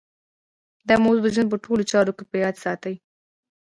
دا موضوع د ژوند په ټولو چارو کې په ياد ساتئ.